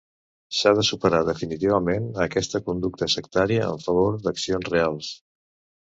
S'ha de superar definitivament aquesta conducta sectària en favor d'accions reals.